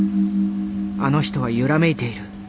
あの人は揺らめいている。